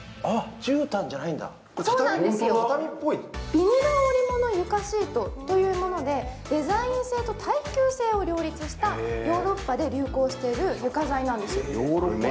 ビニル織物床シートというもので耐久性を両立した、ヨーロッパで流行している床材なんです。